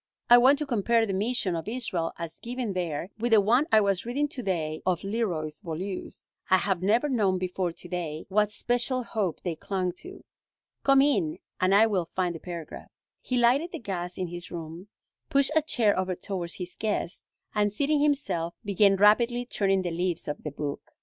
I want to compare the mission of Israel as given there with the one I was reading to day of Leroy Beaulieu's. I have never known before to day what special hope they clung to. Come in and I will find the paragraph." He lighted the gas in his room, pushed a chair over towards his guest, and, seating himself, began rapidly turning the leaves of the book.